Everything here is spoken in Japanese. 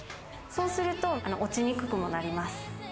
そうすると落ちにくくもなります。